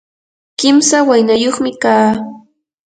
kimsa waynayuqmi kaa.